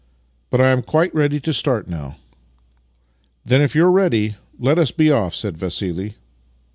" But I am quite ready to start now." " Then, if you are ready, let us be off," said Vassili.